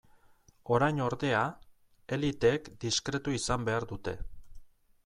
Orain, ordea, eliteek diskretu izan behar dute.